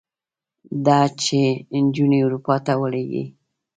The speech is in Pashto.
ده چې نجونې اروپا ته ولېږلې.